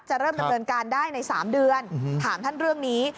เริ่มดำเนินการได้ใน๓เดือนถามท่านเรื่องนี้